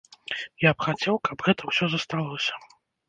Я б хацеў, каб гэта ўсё засталося.